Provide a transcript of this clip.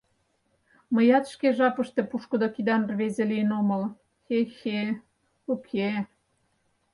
Мыят шке жапыште пушкыдо кидан рвезе лийын омыл, хе-хе-э, уке!